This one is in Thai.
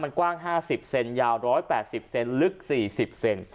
มันกว้างห้าสิบเซนต์ยาวร้อยแปดสิบเซนต์ลึกสี่สิบเซนต์